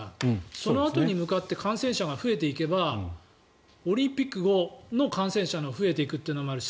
そのあとに向かって感染者が増えていけばオリンピック後の感染者が増えていくというのもあるし